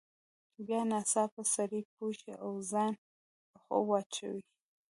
بیا ناڅاپه سړی پوه شي او ځان په خوب واچوي.